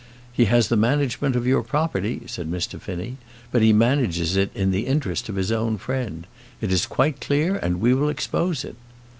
"He has the management of your property," said Mr Finnie; "but he manages it in the interest of his own friend. It is quite clear, and we will expose it."